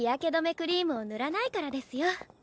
クリームを塗らないからですよ